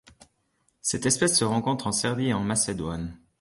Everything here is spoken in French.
Cette espèce se rencontre en Serbie et en Macédoine.